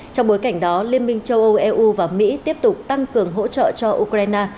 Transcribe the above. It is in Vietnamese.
trong bối cảnh đó liên minh châu âu eu và mỹ tiếp tục tăng cường hỗ trợ cho ukraine